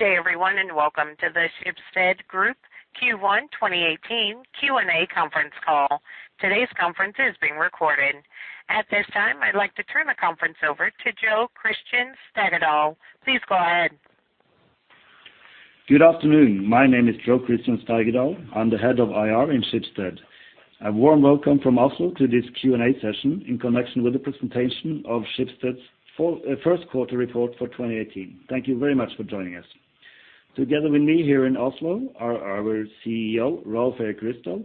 Good day everyone, welcome to the Schibsted Group Q1 2018 Q&A conference call. Today's conference is being recorded. At this time, I'd like to turn the conference over to Jo Christian Steigedal. Please go ahead. Good afternoon. My name is Jo Christian Steigedal. I'm the Head of IR in Schibsted. A warm welcome from Oslo to this Q&A session in connection with the presentation of Schibsted's first quarter report for 2018. Thank you very much for joining us. Together with me here in Oslo are our CEO, Rolv Erik Ryssdal,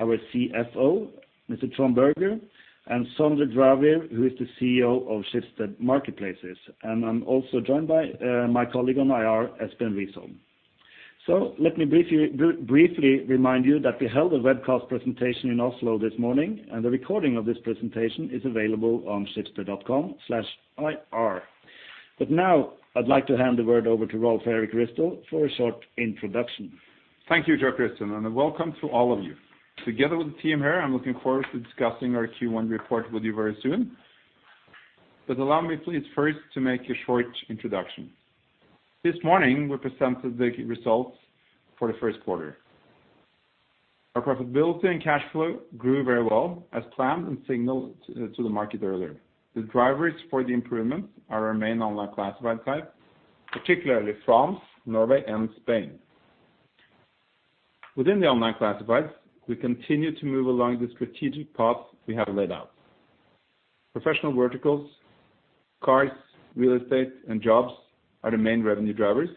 our CFO, Mr. Trond Berger, and Sondre Gravir, who is the CEO of Schibsted Marketplaces. I'm also joined by my colleague on IR, Espen Weium. Let me briefly remind you that we held a webcast presentation in Oslo this morning, and a recording of this presentation is available on schibsted.com/ir. Now I'd like to hand the word over to Rolv Erik Ryssdal for a short introduction. Thank you, Jo Christian. Welcome to all of you. Together with the team here, I'm looking forward to discussing our Q1 report with you very soon. Allow me please first to make a short introduction. This morning, we presented the results for the first quarter. Our profitability and cash flow grew very well as planned and signaled to the market earlier. The drivers for the improvements are our main online classified site, particularly France, Norway, and Spain. Within the online classifieds, we continue to move along the strategic path we have laid out. Professional verticals, cars, real estate, and jobs are the main revenue drivers,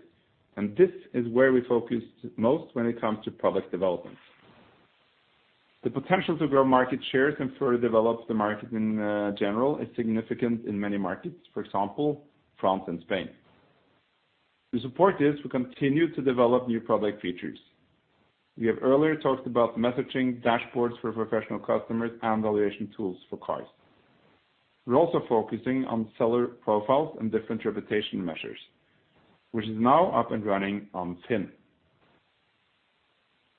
and this is where we focus most when it comes to product development. The potential to grow market shares and further develop the market in general is significant in many markets, for example France and Spain. To support this, we continue to develop new product features. We have earlier talked about messaging dashboards for professional customers and valuation tools for cars. We're also focusing on seller profiles and different reputation measures, which is now up and running on FINN.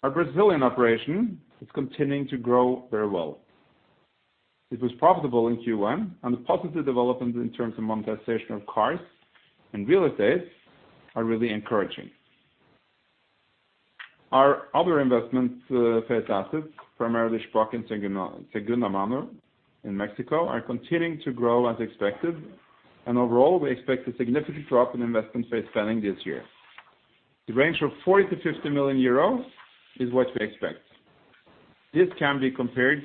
Our Brazilian operation is continuing to grow very well. It was profitable in Q1, the positive development in terms of monetization of cars and real estate are really encouraging. Our other investments, fair assets, primarily Sprat and Segundamano in Mexico, are continuing to grow as expected. Overall, we expect a significant drop in investment-based spending this year. The range of 40 million-50 million euro is what we expect. This can be compared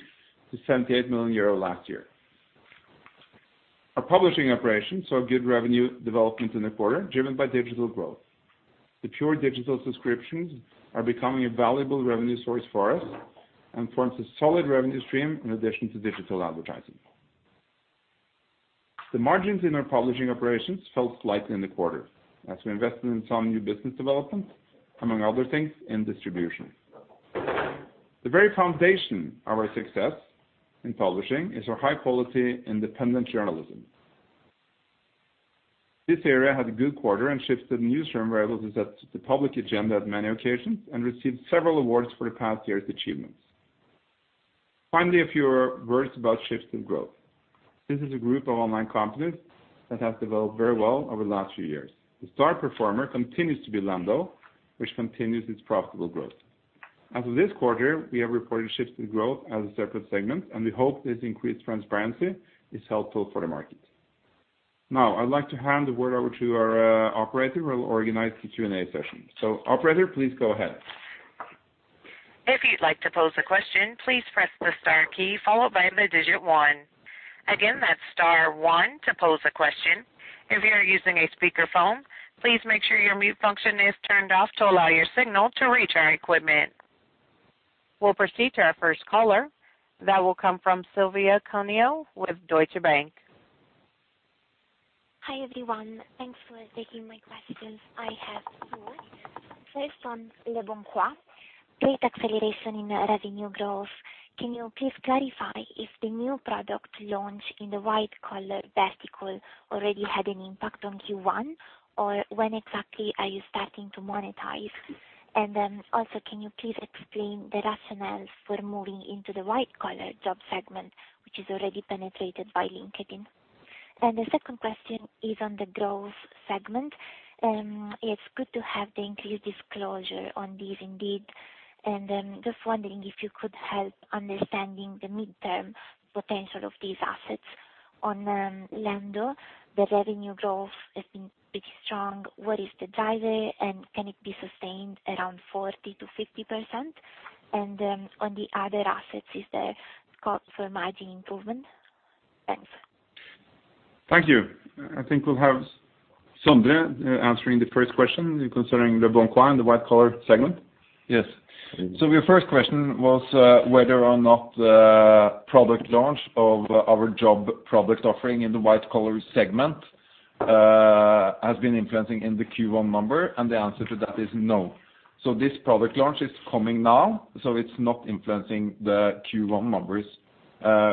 to 78 million euro last year. Our publishing operations saw good revenue development in the quarter, driven by digital growth. The pure digital subscriptions are becoming a valuable revenue source for us and forms a solid revenue stream in addition to digital advertising. The margins in our publishing operations fell slightly in the quarter as we invested in some new business development, among other things, in distribution. The very foundation of our success in publishing is our high-quality independent journalism. This area had a good quarter, and Schibsted Newsroom was able to set the public agenda on many occasions and received several awards for the past year's achievements. Finally, a few words about Schibsted Growth. This is a group of online companies that have developed very well over the last few years. The star performer continues to be Lendo, which continues its profitable growth. As of this quarter, we have reported Schibsted Growth as a separate segment, and we hope this increased transparency is helpful for the market. Now, I'd like to hand the word over to our operator who will organize the Q&A session. operator, please go ahead. If you'd like to pose a question, please press the star key followed by the digit one. Again, that's star one to pose a question. If you are using a speakerphone, please make sure your mute function is turned off to allow your signal to reach our equipment. We'll proceed to our first caller. That will come from Silvia Cuneo with Deutsche Bank. Hi, everyone. Thanks for taking my questions. I have four. First on Leboncoin, great acceleration in revenue growth. Can you please clarify if the new product launch in the white collar vertical already had an impact on Q1? Or when exactly are you starting to monetize? Can you please explain the rationales for moving into the white collar job segment, which is already penetrated by LinkedIn? The second question is on the growth segment. It's good to have the increased disclosure on these indeed. Just wondering if you could help understanding the midterm potential of these assets. On Lendo, the revenue growth has been pretty strong. What is the driver, and can it be sustained around 40%-50%? On the other assets, is there scope for margin improvement? Thanks. Thank you. I think we'll have Sondre answering the first question concerning Leboncoin, the white collar segment. Yes. Your first question was whether or not the product launch of our job product offering in the white collar segment has been influencing in the Q1 number, and the answer to that is no. This product launch is coming now, so it's not influencing the Q1 numbers.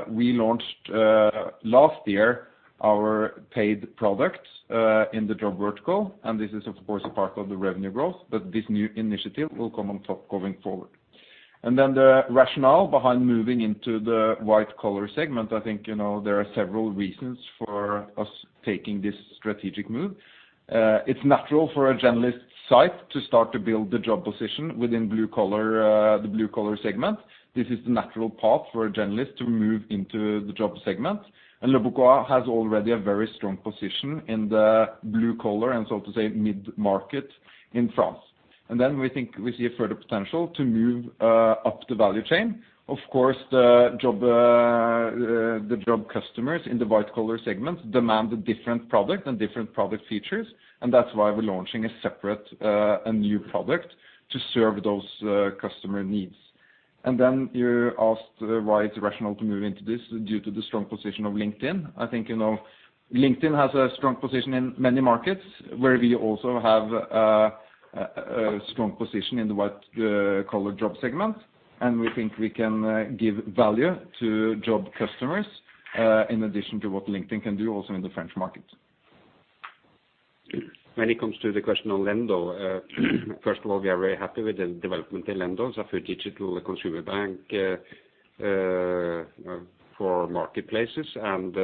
We launched last year our paid products in the job vertical, and this is of course part of the revenue growth, but this new initiative will come on top going forward. The rationale behind moving into the white collar segment, I think, you know, there are several reasons for us taking this strategic move. It's natural for a generalist site to start to build the job position within blue collar, the blue collar segment. This is the natural path for a generalist to move into the job segment. Leboncoin has already a very strong position in the blue collar and so to say mid-market in France. We think we see a further potential to move up the value chain. Of course, the job customers in the white collar segment demand a different product and different product features, and that's why we're launching a separate, a new product to serve those customer needs. You asked why it's rational to move into this due to the strong position of LinkedIn. I think, you know, LinkedIn has a strong position in many markets where we also have a strong position in the white-collar job segment. We think we can give value to job customers in addition to what LinkedIn can do also in the French market. When it comes to the question on Lendo, first of all, we are very happy with the development in Lendo as a digital consumer bank for marketplaces and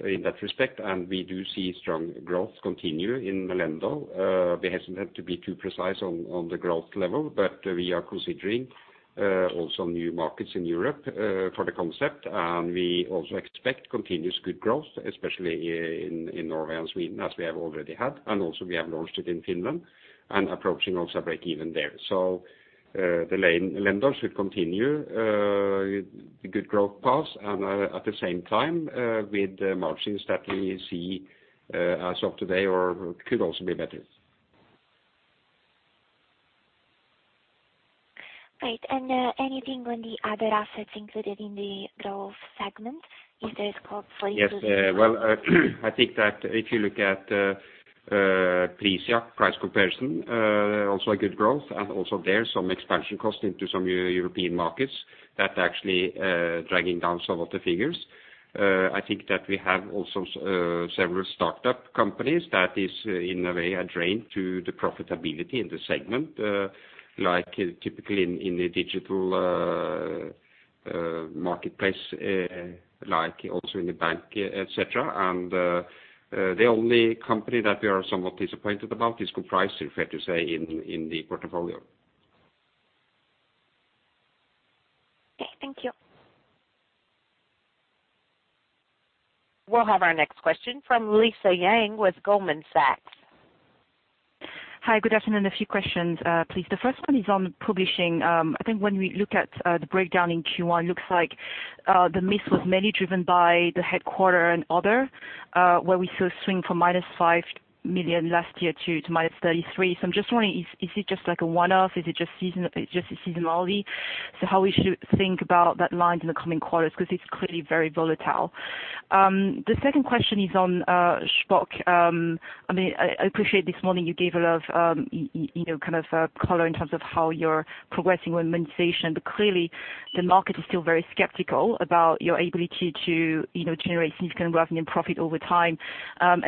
in that respect. We do see strong growth continue in Lendo. We haven't had to be too precise on the growth level, but we are considering also new markets in Europe for the concept. We also expect continuous good growth, especially in Norway and Sweden, as we have already had. Also we have launched it in Finland and approaching also breakeven there. The Lendo should continue the good growth path and at the same time with margins that we see as of today or could also be better. Right. Anything on the other assets included in the growth segment, if there is scope for you. Yes. Well, I think that if you look at Prisjakt price comparison, also a good growth and also there some expansion cost into some European markets that actually dragging down some of the figures. I think that we have also several startup companies that is in a way a drain to the profitability in the segment, like typically in the digital marketplace, like also in the bank, et cetera. The only company that we are somewhat disappointed about is Compricer, fair to say, in the portfolio. Okay, thank you. We'll have our next question from Lisa Yang with Goldman Sachs. Hi. Good afternoon. A few questions, please. The first one is on publishing. I think when we look at the breakdown in Q1, looks like the miss was mainly driven by the headquarter and other, where we saw swing from -5 million last year to -33 million. I'm just wondering, is it just like a one-off? Is it just seasonality? How we should think about that line in the coming quarters, 'cause it's clearly very volatile. The second question is on Shpock. I mean, I appreciate this morning you gave a lot of you know, kind of color in terms of how you're progressing with monetization. Clearly, the market is still very skeptical about your ability to, you know, generate significant revenue and profit over time.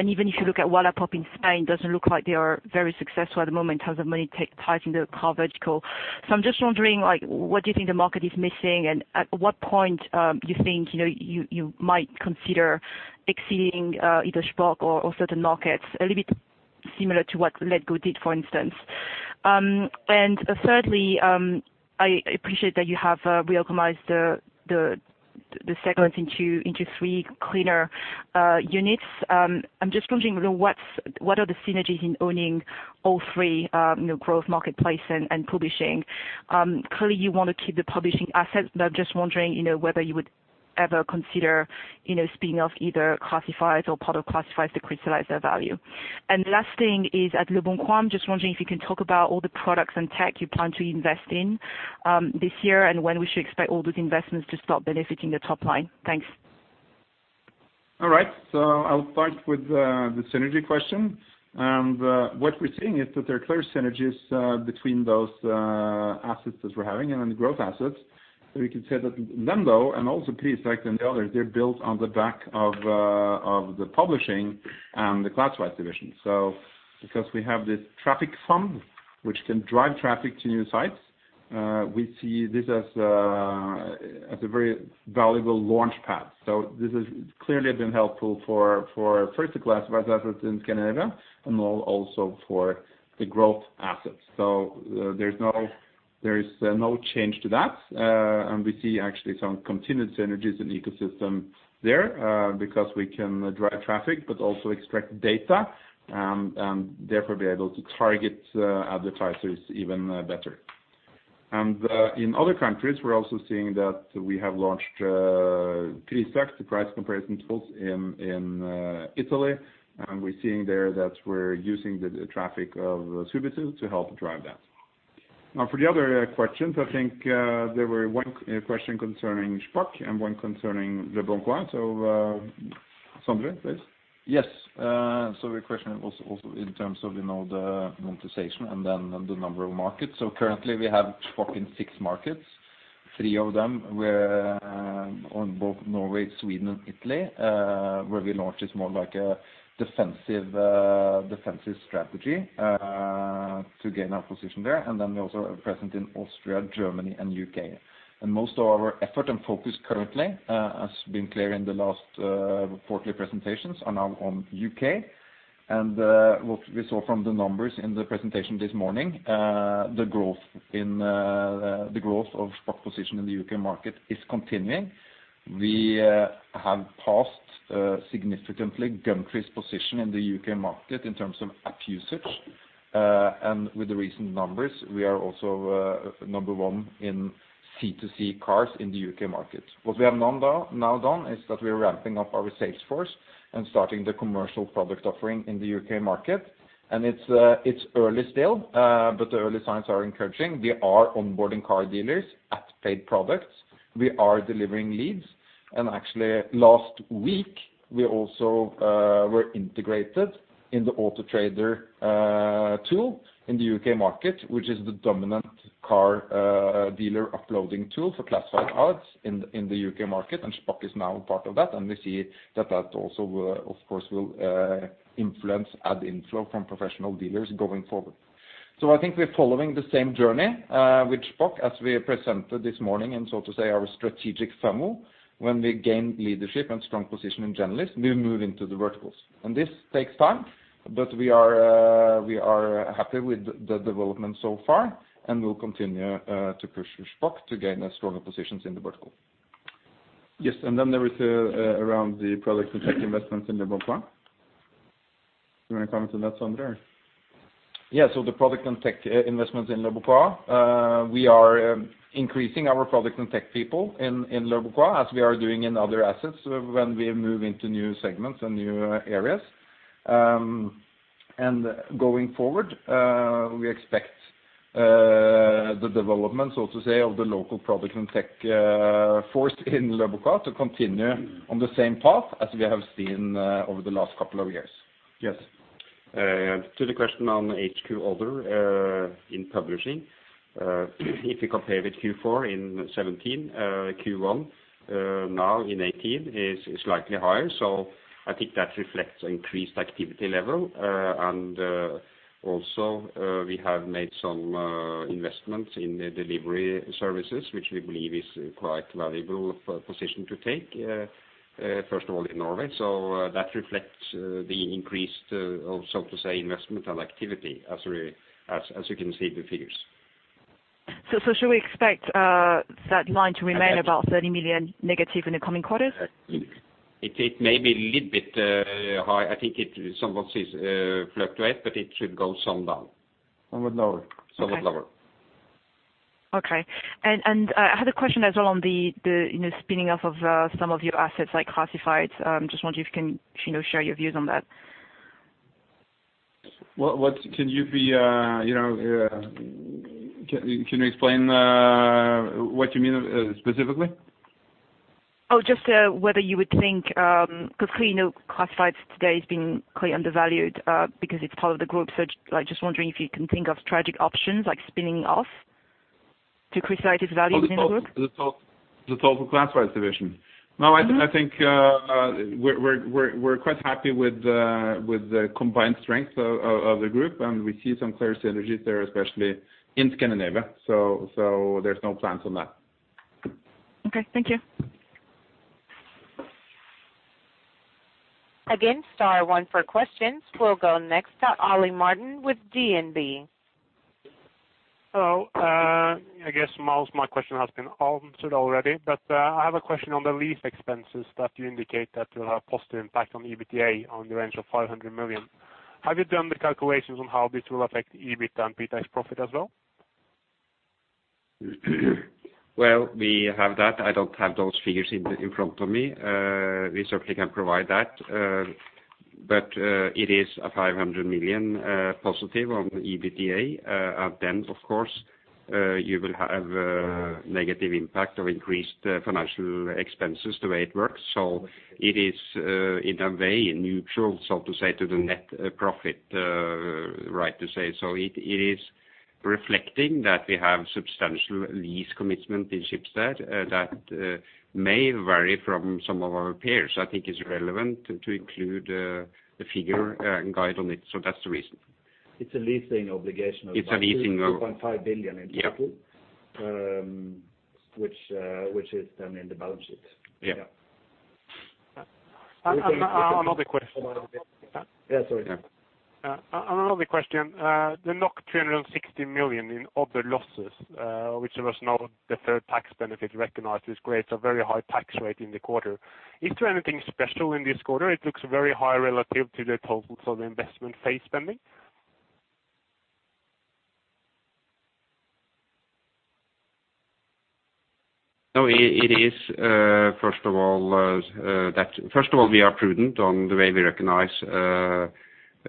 Even if you look at Wallapop in Spain, doesn't look like they are very successful at the moment in terms of monetizing the car vertical. I'm just wondering, like, what do you think the market is missing? At what point you think, you know, you might consider exiting either Shpock or certain markets, a little bit similar to what Letgo did, for instance. Thirdly, I appreciate that you have reoptimized the segments into three cleaner units. I'm just wondering what are the synergies in owning all three, you know, growth marketplace and publishing. Clearly you want to keep the publishing assets, I'm just wondering, you know, whether you would ever consider, you know, spinning off either classifieds or part of classifieds to crystallize their value. Last thing is at Leboncoin, I'm just wondering if you can talk about all the products and tech you plan to invest in this year and when we should expect all those investments to start benefiting the top line? Thanks. All right. I'll start with the synergy question. What we're seeing is that there are clear synergies between those assets that we're having and the growth assets. We can say that Lendo, and also Prisjakt and the others, they're built on the back of of the publishing and the classifieds division. Because we have this traffic sum, which can drive traffic to new sites, we see this as a very valuable launchpad. This has clearly been helpful for first the classifieds assets in Scandinavia and also for the growth assets. There's no, there is no change to that. We see actually some continued synergies in ecosystem there, because we can drive traffic but also extract data, and therefore be able to target advertisers even better. In other countries, we're also seeing that we have launched Prisjakt, the price comparison tools in Italy. We're seeing there that we're using the traffic of Subito to help drive that. Now for the other questions, I think, there were one question concerning Shpock and one concerning Leboncoin. Sondre, please. Yes. Your question was also in terms of, you know, the monetization and then the number of markets. Currently, we have Shpock in six markets. Three of them were on both Norway, Sweden, and Italy, where we launched this more like a defensive strategy to gain our position there. We also are present in Austria, Germany, and UK. Most of our effort and focus currently has been clear in the last quarterly presentations are now on UK. What we saw from the numbers in the presentation this morning, the growth in the growth of Shpock position in the UK market is continuing. We have passed significantly Gumtree position in the UK market in terms of app usage. With the recent numbers, we are also number one in C2C cars in the UK market. What we have now done, is that we are ramping up our sales force and starting the commercial product offering in the UK market. It's early still, but the early signs are encouraging. We are onboarding car dealers at paid products. We are delivering leads. Actually, last week, we also were integrated in the Auto Trader tool in the UK market, which is the dominant car dealer uploading tool for classified ads in the UK market, and Shpock is now a part of that. We see that that also will, of course, influence ad inflow from professional dealers going forward. I think we're following the same journey with Shpock as we presented this morning in, so to say, our strategic SUMO, when we gain leadership and strong position in generalist, we move into the verticals. This takes time, but we are happy with the development so far, and we'll continue to push Shpock to gain a stronger positions in the vertical. Yes. Then there is around the product and tech investments in Leboncoin. You wanna comment on that, Sondre? Yeah. The product and tech investments in Leboncoin, we are increasing our product and tech people in Leboncoin, as we are doing in other assets when we move into new segments and new areas. Going forward, we expect the development, so to say, of the local product and tech, force in Leboncoin to continue on the same path as we have seen, over the last couple of years. Yes. ion on HQ other, in publishing, if you compare with Q4 in 2017, Q1 now in 2018 is slightly higher. So I think that reflects increased activity level. And also, we have made some investments in the delivery services, which we believe is quite valuable for a position to take, first of all in Norway. So that reflects the increased, so to say, investment and activity as you can see the figures. Should we expect that line to remain about 30 million negative in the coming quarters? It may be a little bit high. I think it somewhat is fluctuate, but it should go some down. Somewhat lower. Somewhat lower. Okay. I had a question as well on the, you know, spinning off of some of your assets, like classifieds. Just wonder if you can, you know, share your views on that. What can you be, you know, can you explain what you mean specifically? Just, whether you would think, because we know classifieds today has been quite undervalued, because it's part of the group. Like, just wondering if you can think of strategic options like spinning off to crystallize its value in this group? The total classifieds division. Mm-hmm. I think, we're quite happy with the combined strength of the group, and we see some clear synergies there, especially in Scandinavia. There's no plans on that. Okay. Thank you. Again, star one for questions. We'll go next to Oliver Pisani with DNB. I guess most my question has been answered already. I have a question on the lease expenses that you indicate that will have positive impact on EBITDA on the range of 500 million. Have you done the calculations on how this will affect EBIT and EBITDA's profit as well? We have that. I don't have those figures in front of me. We certainly can provide that. It is a 500 million positive on the EBITDA. Then, of course, you will have negative impact of increased financial expenses the way it works. It is in a way neutral, so to say, to the net profit, right to say. It is reflecting that we have substantial lease commitment in Schibsted, that may vary from some of our peers. I think it's relevant to include the figure and guide on it. That's the reason. It's a leasing obligation of. It's a leasing. 2.5 billion in total. Yeah. Which is then in the balance sheet. Yeah. Yeah. Another question. Yeah, sorry. Another question. The 360 million in other losses, which was now the third tax benefit recognized is great, so very high tax rate in the quarter. Is there anything special in this quarter? It looks very high relative to the total sort of investment phase spending. No, it is, first of all, we are prudent on the way we recognize,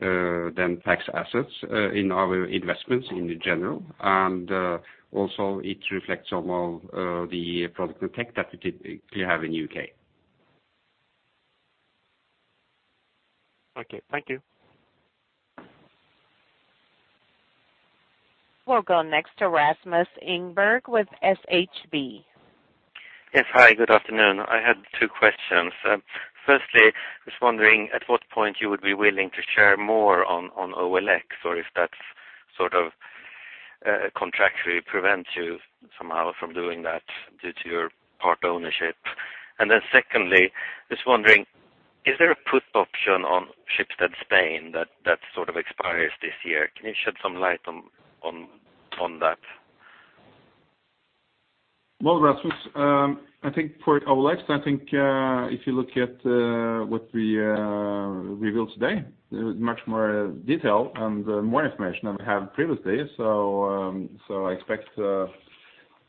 them tax assets, in our investments in general. Also it reflects on, the product and tech that we have in U.K. Okay, thank you. We'll go next to Rasmus Engberg with SHB. Yes. Hi, good afternoon. I had two questions. Firstly, just wondering at what point you would be willing to share more on OLX, or if that sort of, contractually prevents you somehow from doing that due to your part ownership. Secondly, just wondering, is there a put option on Schibsted Spain that sort of expires this year? Can you shed some light on that? Rasmus, I think for OLX, if you look at what we revealed today, there is much more detail and more information than we had previously.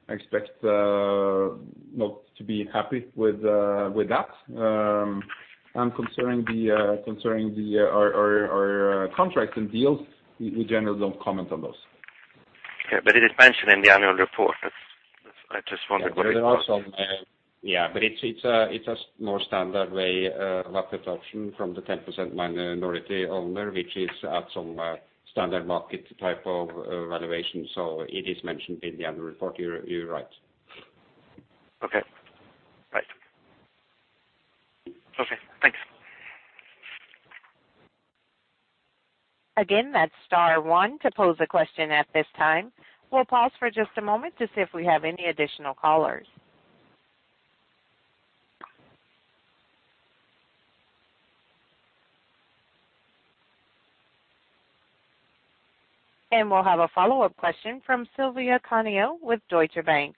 I expect, you know, to be happy with that. Concerning the our contract and deals, we generally don't comment on those. Okay. It is mentioned in the annual report. I just wondered what it was. It's a more standard way, market option from the 10% minority owner, which is at some standard market type of valuation. It is mentioned in the annual report. You're right. Okay. Right. Okay. Thanks. Again, that's star one to pose a question at this time. We'll pause for just a moment to see if we have any additional callers. We'll have a follow-up question from Silvia Cuneo with Deutsche Bank.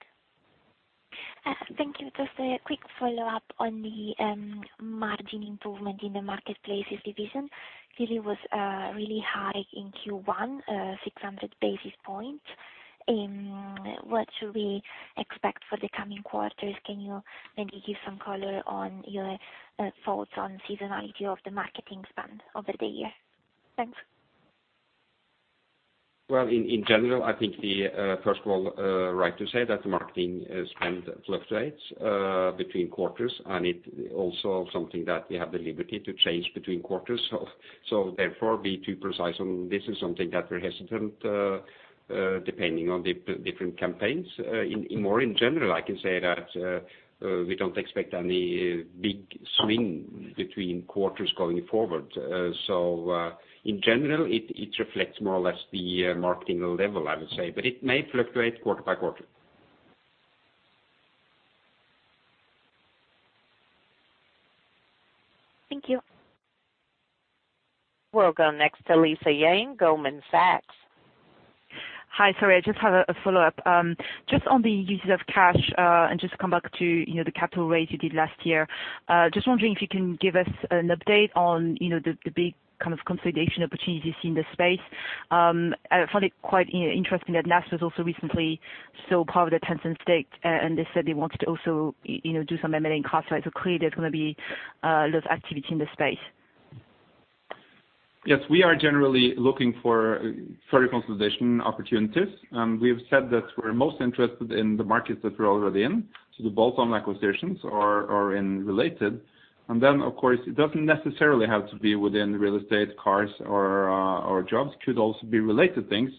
Thank you. Just a quick follow-up on the margin improvement in the Marketplaces division. Clearly was really high in Q1, 600 basis points. What should we expect for the coming quarters? Can you maybe give some color on your thoughts on seasonality of the marketing spend over the year? Thanks. Well, in general, I think the first of all, right to say that the marketing spend fluctuates between quarters, and it also something that we have the liberty to change between quarters. Therefore be too precise on this is something that we're hesitant depending on the different campaigns. In more in general, I can say that we don't expect any big swing between quarters going forward. In general, it reflects more or less the marketing level, I would say, but it may fluctuate quarter by quarter. Thank you. We'll go next to Lisa Yang, Goldman Sachs. Hi. Sorry, I just had a follow-up. Just on the uses of cash, and just come back to, you know, the capital raise you did last year. Just wondering if you can give us an update on, you know, the big kind of consolidation opportunities in this space. I found it quite interesting that Naspers also recently sold part of their Tencent stake, and they said they wanted to also, you know, do some M&A in classifieds. Clearly, there's gonna be lots of activity in the space. We are generally looking for further consolidation opportunities. We've said that we're most interested in the markets that we're already in. The bottom acquisitions are in related. Then, of course, it doesn't necessarily have to be within real estate, cars or jobs could also be related things.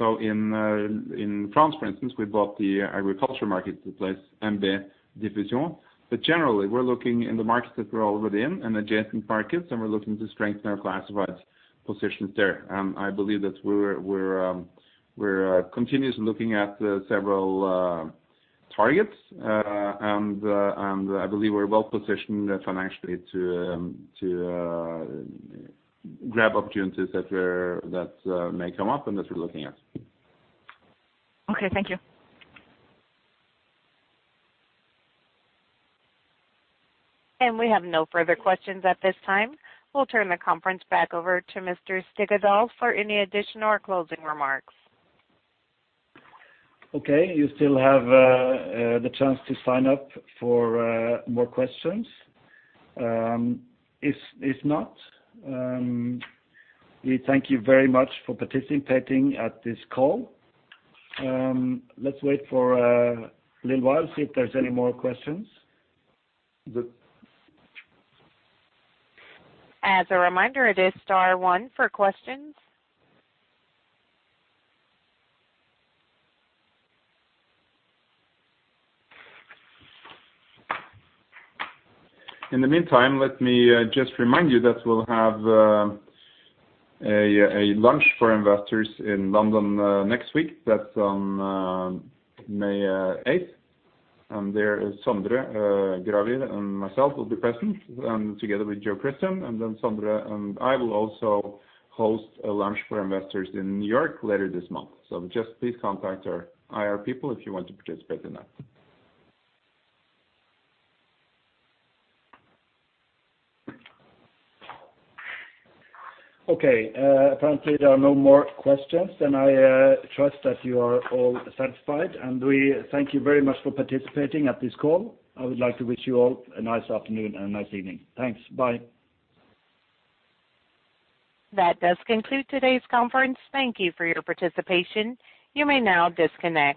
In France, for instance, we bought the agriculture marketplace, MB Diffusion. Generally, we're looking in the markets that we're already in and adjacent markets, and we're looking to strengthen our classified positions there. I believe that we're continuously looking at several targets. I believe we're well-positioned financially to grab opportunities that may come up and that we're looking at. Okay, thank you. We have no further questions at this time. We'll turn the conference back over to Mr. Steigedal for any additional or closing remarks. Okay. You still have the chance to sign up for more questions. If not, we thank you very much for participating at this call. Let's wait for a little while, see if there's any more questions. Good. As a reminder, it is star one for questions. In the meantime, let me just remind you that we'll have a lunch for investors in London next week. That's on May 8. There is Sondre Gravir and myself will be present together with Jo Christian. Sondre, and I will also host a lunch for investors in New York later this month. Just please contact our IR people if you want to participate in that. Okay. apparently there are no more questions. I trust that you are all satisfied, and we thank you very much for participating at this call. I would like to wish you all a nice afternoon and a nice evening. Thanks. Bye. That does conclude today's conference. Thank you for your participation. You may now disconnect.